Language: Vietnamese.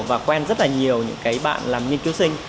và quen rất là nhiều những cái bạn làm nghiên cứu sinh